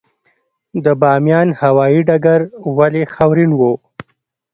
د بامیان هوايي ډګر ولې خاورین و؟